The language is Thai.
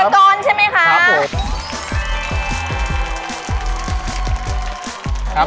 เฮียกรอนใช่ไหมค่ะครับผม